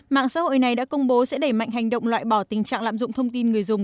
mạng xã hội này đã công bố sẽ đẩy mạnh hành động loại bỏ tình trạng lạm dụng thông tin người dùng